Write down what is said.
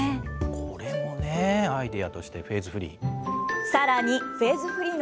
これもね、アイデアとして、フェーズフリー。